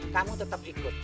kamu tetap ikut